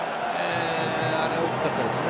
あれ、大きかったですね。